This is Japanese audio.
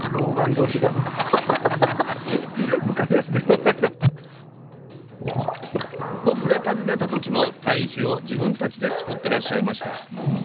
スタジオ僕が訪ねた時も「堆肥」を自分たちで作ってらっしゃいました。